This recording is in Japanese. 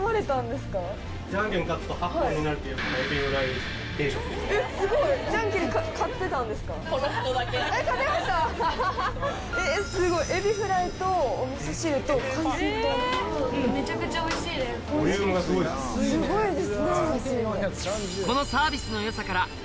すごいですね。